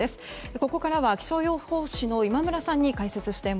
ここからは気象予報士の今村さんの解説です。